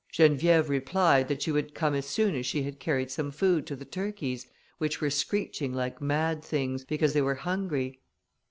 Geneviève replied, that she would come as soon as she had carried some food to the turkeys, which were screeching like mad things, because they were hungry.